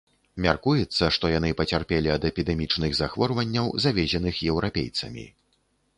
Мяркуецца, што яны пацярпелі ад эпідэмічных захворванняў, завезеных еўрапейцамі.